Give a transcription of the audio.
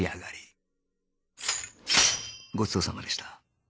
ごちそうさまでした